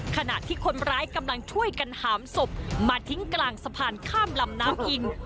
ขณะที่คนร้ายกำลังช่วยกันหามศพมาทิ้งกลางสะพานข้ามลำน้ำอิน